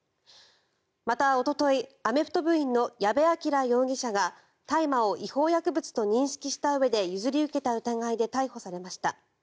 また、おとといアメフト部員の矢部鑑羅容疑者が大麻を違法薬物と認識したうえで譲り受けた疑いで逮捕されました。